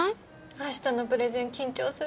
明日のプレゼン緊張するなあ。